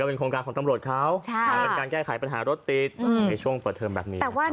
เป็นโครงการของตำรวจเขาเป็นการแก้ไขปัญหารถติดในช่วงเปิดเทอมแบบนี้